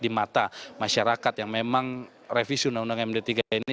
di mata masyarakat yang memang revisi undang undang md tiga ini